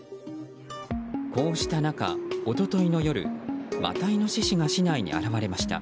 こうした中、一昨日の夜またイノシシが市内に現れました。